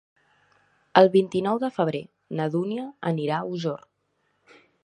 El vint-i-nou de febrer na Dúnia anirà a Osor.